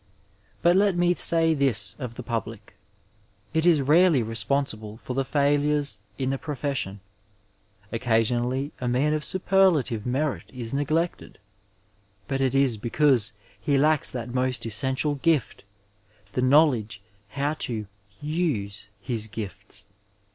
But let me say this of the public: it is rarely responsible for the failures in the profession. Occasionally a man of superlative merit is neglected, but it is because he lacks that most essential gift, the knowledge how to use hisgifts.